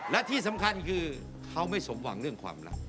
และที่สำคัญคือเขาไม่สมหวังเรื่องความรัก